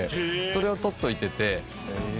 それを取っておいてて。